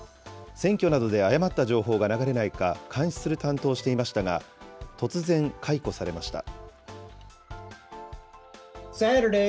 選挙などで誤った情報が流れないか監視する担当をしていましたが、突然、解雇されました。